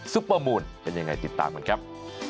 ปเปอร์มูลเป็นยังไงติดตามกันครับ